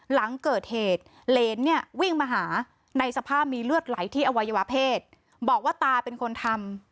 หลังเกิดเหตุเหรนเนี่ยวิ่งมาหาในสภาพมีเลือดไหลที่อวัยวะเพศบอกว่าตาเป็นคนทำ